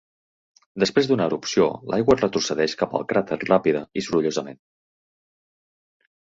Després d'una erupció, l'aigua retrocedeix cap al cràter ràpida i sorollosament.